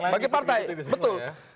bagi partai betul